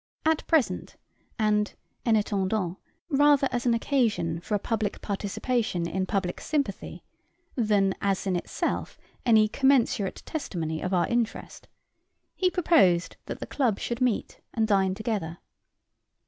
At present, and en attendant rather as an occasion for a public participation in public sympathy, than as in itself any commensurate testimony of our interest he proposed that the club should meet and dine together.